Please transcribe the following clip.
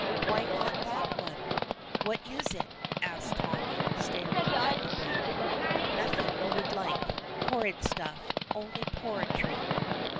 "Why not that one? What is it?" asks Tommy, staring at the book. "Nothing you would like. Horrid stuff. Only poetry."